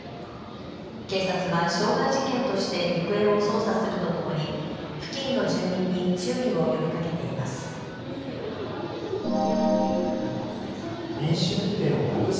警察は傷害事件として行方を捜査するとともに付近の住民に注意を呼びかけています。